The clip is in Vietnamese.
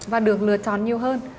và được lựa chọn nhiều hơn